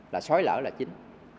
là xói lở là chính